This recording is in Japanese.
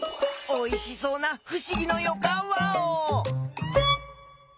おいしそうなふしぎのよかんワオ！